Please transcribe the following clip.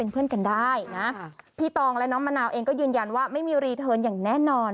พี่ตองและน้องนาวเองก็ยืนยันว่าไม่มีสมาธิอยู่ว่านี้